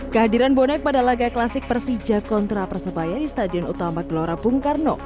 kehadiran bonek pada laga klasik persija kontra persebaya di stadion utama gelora bung karno